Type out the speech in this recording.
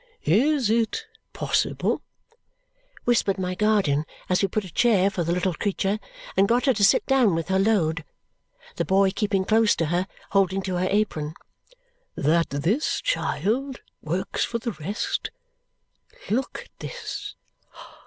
"Is it possible," whispered my guardian as we put a chair for the little creature and got her to sit down with her load, the boy keeping close to her, holding to her apron, "that this child works for the rest? Look at this!